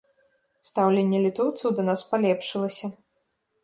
Стаўленне літоўцаў да нас палепшылася.